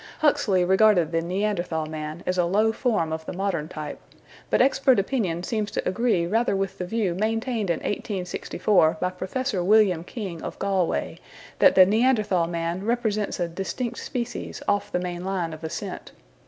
Huxley regarded the Neanderthal man as a low form of the modern type, but expert opinion seems to agree rather with the view maintained in 1864 by Professor William King of Galway, that the Neanderthal man represents a distinct species off the main line of ascent.